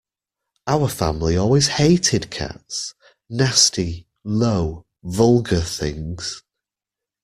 Our family always hated cats: nasty, low, vulgar things!